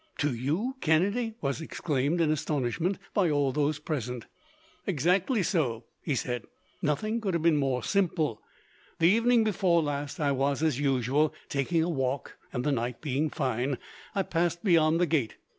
"To you, Kennedy?" was exclaimed, in astonishment, by all those present. "Exactly so," he said. "Nothing could have been more simple. The evening before last I was, as usual, taking a walk and, the night being fine, I passed beyond the gate.